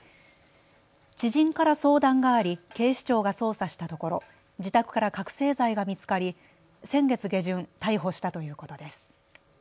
知人から相談があり警視庁が捜査したところ自宅から覚醒剤が見つかり先月下旬逮捕したということです。